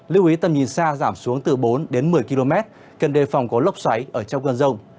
lưu ý tầm nhìn xa giảm xuống từ bốn một mươi km cần đề phòng có lốc xoáy ở trong gần rồng